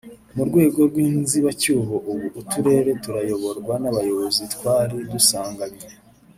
mu rwego rw’inzibacyuho ubu uturere turayoborwa n’abayobozi twari dusanganywe